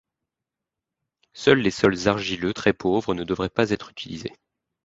Seul les sols argileux très pauvres ne devraient pas être utilisés.